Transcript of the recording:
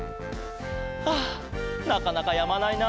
ああなかなかやまないな。